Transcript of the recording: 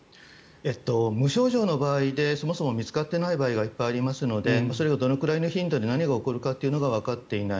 無症状の場合でそもそも見つかっていない場合がいっぱいありますのでそれをどのくらいの頻度で何が起こるのかがわかっていない。